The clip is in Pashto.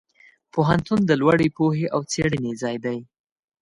پوهنتون د لوړې پوهې او څېړنې ځای دی.